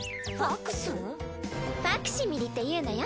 ファクシミリっていうのよ。